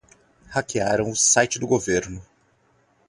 Hackearam o site do governo